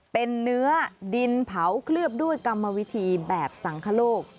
เป็นเนื้อดินเผาเคลือบด้วยกรรมวิธีแบบสังคโลก